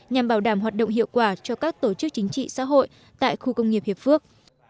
nhằm bảo đảm hoạt động hiệu quả cho các tổ chức chính trị xã hội tại khu công nghiệp hiệp phước